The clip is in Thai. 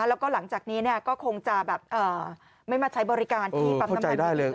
แล้วก็หลังจากนี้ก็คงจะแบบไม่มาใช้บริการที่ปั๊มน้ำมัน